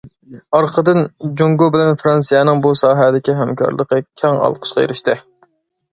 ئارقىدىن، جۇڭگو بىلەن فىرانسىيەنىڭ بۇ ساھەدىكى ھەمكارلىقى كەڭ ئالقىشقا ئېرىشتى.